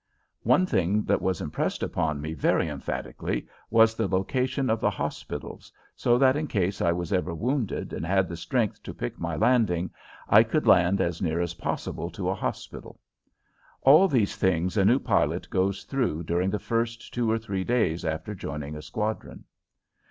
One thing that was impressed upon me very emphatically was the location of the hospitals, so that in case I was ever wounded and had the strength to pick my landing I could land as near as possible to a hospital. All these things a new pilot goes through during the first two or three days after joining a squadron.